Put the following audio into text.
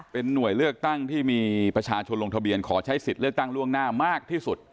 เป็นหน่วยเลือกตั้งที่มีประชาชนลงทะเบียนขอใช้สิทธิ์เลือกตั้งล่วงหน้ามากที่สุด